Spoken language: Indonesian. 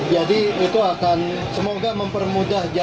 jadi itu akan semoga mempermudahjakan